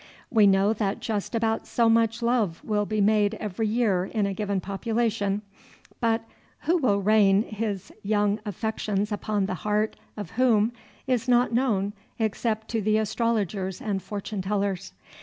We know that just about so much love will be made every year in a given population; but who will rain his young affections upon the heart of whom is not known except to the astrologers and fortune tellers.